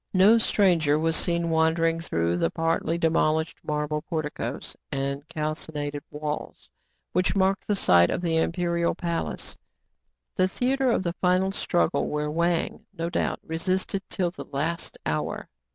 No stranger was seen wandering through the part ly demolished marble porticos arid calcined walls, which mark the site of the imperial palace, the theatre of the final struggle, where Wang, no doubt, resisted till the last hour.